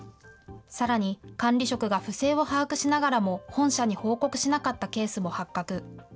さらに、管理職が不正を把握しながらも本社に報告しなかったケースも発覚。